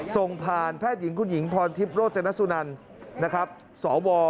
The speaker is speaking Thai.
ส่งผ่านแพทย์หญิงคุณหญิงพรทิพย์โรจนสุนันนะครับสว